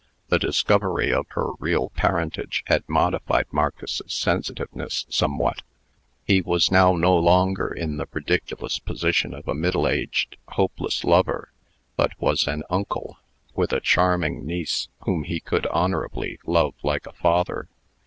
The discovery of her real parentage had modified Marcus's sensitiveness somewhat. He was now no longer in the ridiculous position of a middle aged, hopeless lover, but was an uncle, with a charming niece whom he could honorably love like a father.